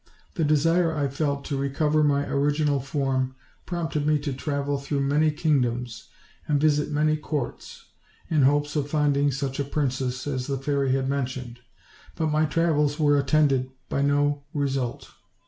The desire I felt to recover my original form prompted me to travel through many kingdoms and visit many courts, in hopes of finding such a princess as the fairy had mentioned; but my travels were attended by no re sult.